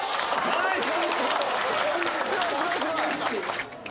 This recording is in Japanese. ナイス！